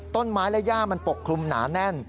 ต้นไม้และย่ามันปกคลุมหนาแน่น